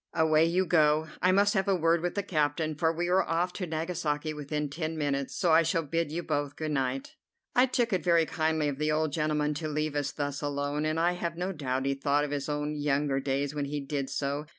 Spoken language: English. Away you go. I must have a word with the captain, for we are off to Nagasaki within ten minutes, so I shall bid you both good night." I took it very kindly of the old gentleman to leave us thus alone, and I have no doubt he thought of his own younger days when he did so.